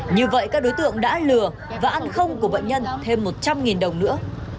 như vậy các đối tượng đã lừa và ăn không của bệnh nhân thêm một trăm linh đồng nữa